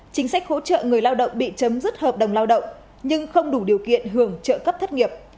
chính sách hỗ trợ người lao động bị chấm dứt hợp đồng lao động nhưng không đủ điều kiện hưởng trợ cấp thất nghiệp